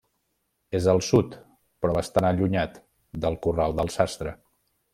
És al sud, però bastant allunyat, del Corral del Sastre.